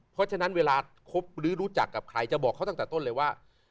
เพราะฉะนั้นเวลาคบหรือรู้จักกับใครจะบอกเขาตั้งแต่ต้นเลยว่า